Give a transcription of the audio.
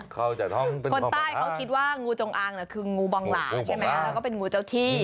คนตายเขาคิดว่างูจงอ้างคืองูบองหลาแล้วก็เป็นงูเจ้าที่